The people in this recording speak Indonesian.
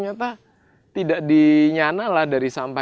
jika ada yang mencari sampah